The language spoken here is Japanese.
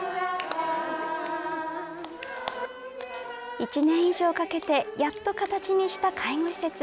１年以上かけてやっと形にした介護施設。